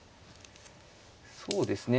そうですね